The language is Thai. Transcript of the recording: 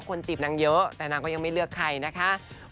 อันนี้เขาก็คงแซวเล่นแหละ